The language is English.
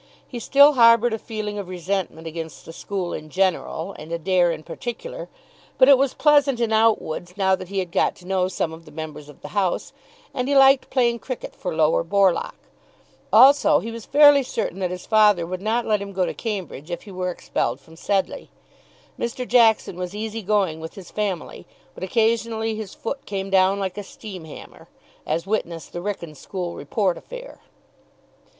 He still harboured a feeling of resentment against the school in general and Adair in particular, but it was pleasant in Outwood's now that he had got to know some of the members of the house, and he liked playing cricket for Lower Borlock; also, he was fairly certain that his father would not let him go to Cambridge if he were expelled from Sedleigh. Mr. Jackson was easy going with his family, but occasionally his foot came down like a steam hammer, as witness the Wrykyn school report affair.